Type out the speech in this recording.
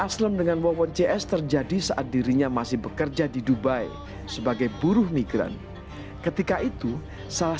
saya sampai ini yang ngelihat gitu sampai ya allah